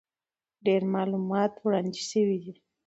ډېر معلومات وړاندې شوي دي،